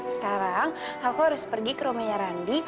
sekarang aku harus pergi ke romenya randi